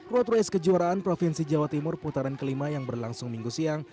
road race kejuaraan provinsi jawa timur putaran kelima yang berlangsung minggu siang